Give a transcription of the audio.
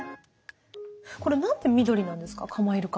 これ何で緑なんですか？